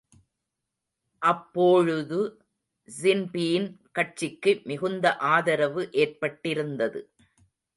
அப்போழுது Sinn Féin கட்சிக்கு மிகுந்த ஆதரவு ஏற்பட்டிருந்தது.